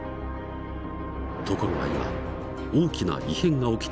ところが今大きな異変が起きている。